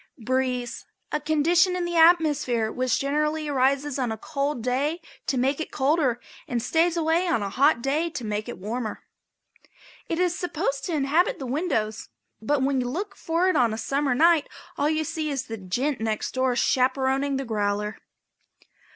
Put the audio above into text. BREEZE. A condition in the atmosphere which generally arises on a cold day, to make it colder and stays away on a hot day to make it warmer. It is supposed to inhabit the windows, but when you look for it on a Summer night all you can see is the "gent" next door chaperoning the growler.